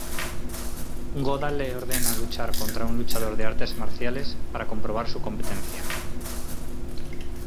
Goda le ordena luchar contra un luchador de artes marciales para comprobar su competencia.